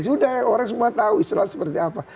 sudah orang semua tahu islam seperti apa